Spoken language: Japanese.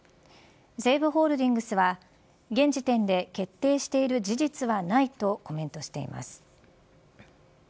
西武ホールディングスは現時点で決定している事実はないとコメントしています。